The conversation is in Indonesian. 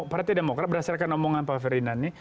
partai demokrat berdasarkan omongan pak ferdinand ini